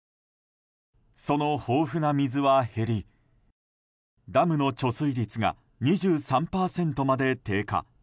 その豊富な水は減りダムの貯水率が２３％まで低下。